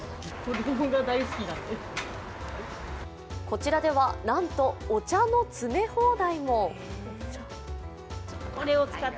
こちらでは、なんとお茶の詰め放題も。